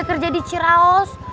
kerja di cirewaste